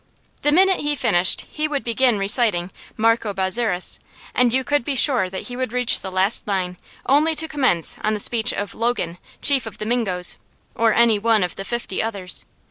The minute he finished, he would begin reciting "Marco Bozzaris," and you could be sure that he would reach the last line only to commence on the speech of "Logan, Chief of the Mingoes," or any one of the fifty others.